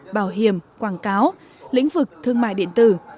bảo hiểm quảng cáo lĩnh vực thương mại điện tử